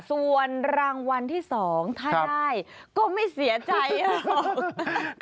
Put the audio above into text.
ส่วนรางวัลที่สองใครก็ไม่เสียใจหรอก